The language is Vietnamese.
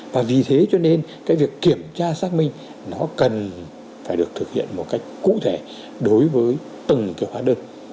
và vì thế cho nên cái việc kiểm tra xác minh nó cần phải được thực hiện một cách cụ thể đối với từng cái hóa đơn